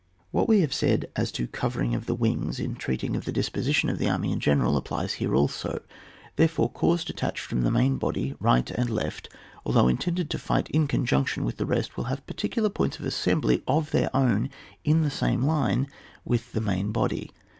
What we have said as to covering of the wings in treating of the disposition of the army in general, applies here also ; therefore corps detached from the main body, right and left, although intended to fight in conjunction with the rest, will have particular points of assembly of their own in the same line with the main body.